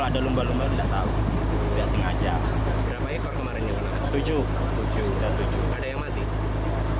ada yang mati